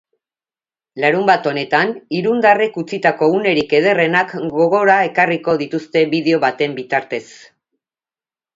Larunbat honetan irundarrek utzitako unerik ederrenak gogora ekarriko dituzte bideo baten bitartez.